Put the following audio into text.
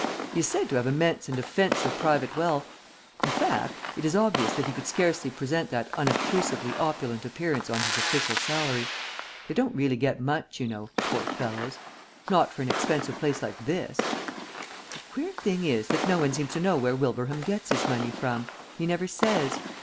He is said to have immense and offensive private wealth. In fact, it is obvious that he could scarcely present that unobtrusively opulent appearance on his official salary. They don't really get much, you know, poor fellows; not for an expensive place like this.... The queer thing is that no one seems to know where Wilbraham gets his money from; he never says.